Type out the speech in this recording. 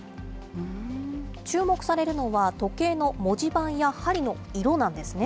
注目されるのは、時計の文字盤や針の色なんですね。